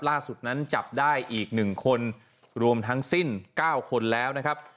ล่าสุดนั้นจับได้อีก๑คนรวมทั้งสิ้น๙คนแล้วนะครับ